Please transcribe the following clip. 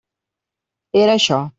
Era això.